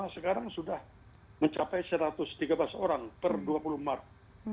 sekarang sudah mencapai satu ratus tiga belas orang per dua puluh maret